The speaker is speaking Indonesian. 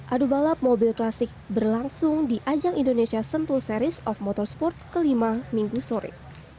adu balap mobil klasik berlangsung di ajang indonesia sentul series of motorsport kelima minggu sore